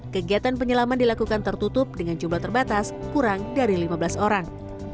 kegiatan penyelaman dilakukan tertutup dengan jumlah terbatas kurang dari lima belas orang